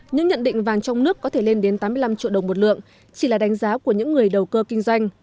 những nhận định vàng trong nước có thể lên đến tám mươi năm triệu đồng một lượng chỉ là đánh giá của những người đầu cơ kinh doanh